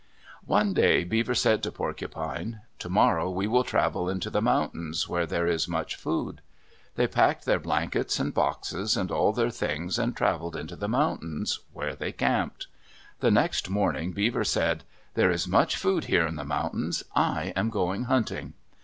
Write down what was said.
One day Beaver said to Porcupine, "Tomorrow we will travel into the mountains where there is much food." They packed their blankets and boxes and all their things and traveled into the mountains, where they camped. The next morning Beaver said, "There is much food here in the mountains. I am going hunting."